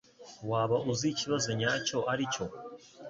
Waba uzi ikibazo nyacyo aricyo